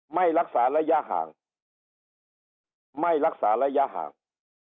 ไม่รักษาระยะห่างไม่รักษาระยะห่าง